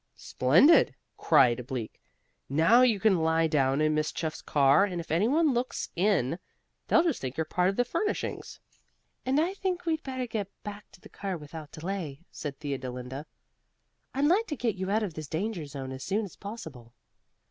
"Splendid!" cried Bleak. "Now you can lie down in Miss Chuff's car and if any one looks in they'll just think you're part of the furnishings." "And I think we'd better get back to the car without delay," said Theodolinda. "I'd like to get you out of this danger zone as soon as possible."